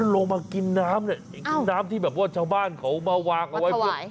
ลงมากินน้ำนี่น้ำที่แบบว่าชาวบ้านเขามาวางเอาไว้